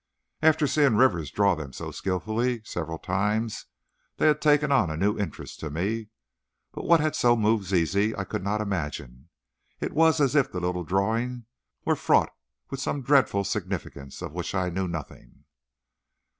And after seeing Rivers draw them so skilfully, several times, they had taken on a new interest to me. But what had so moved Zizi I could not imagine. It was as if the little drawing were fraught with some dreadful significance of which I knew nothing.